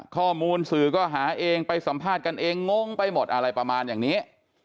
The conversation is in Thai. ข้อมูลสื่อก็หาเองไปสัมภาษณ์กันเองงงไปหมดอะไรประมาณอย่างนี้